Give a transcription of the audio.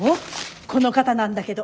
この方なんだけど。